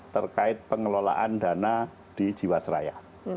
terkait pengelolaan dana di jiwasraya